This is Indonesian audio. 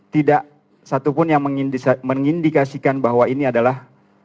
tidak satupun yang mengindikasikan bahwa ini adalah